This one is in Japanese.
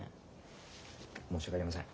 申し訳ありません。